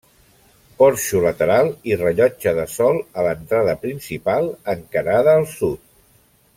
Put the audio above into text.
Porxo lateral i rellotge de sol a l'entrada principal encarada al sud.